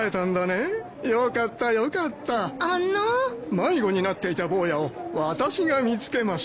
迷子になっていた坊やを私が見つけまして。